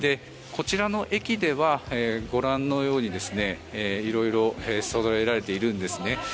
こちらの駅ではご覧のように色々そろえられているんですね。